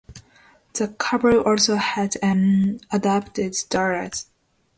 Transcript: The couple also has an adopted daughter.